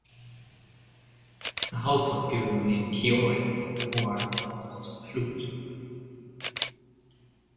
The house was given the name Chiiori, or "House of the Flute".